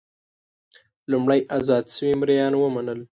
لومړی ازاد شوي مریان ومنل.